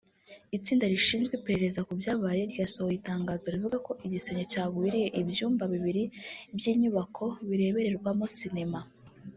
Itsinda rishinzwe iperereza ku byabaye ryasohoye itangazo rivuga ko igisenge cyagwiriye ibyumba bibiri by’inyubako bireberwamo cinema